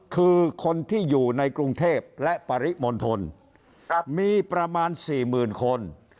คือคนที่อยู่ในกรุงเทพฯและปริมณฑลครับมีประมาณสี่หมื่นคน